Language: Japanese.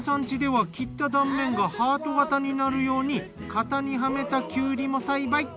家では切った断面がハート型になるように型にはめたきゅうりも栽培。